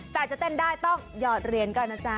แต่จะเต้นได้ต้องหยอดเหรียญก่อนนะจ๊ะ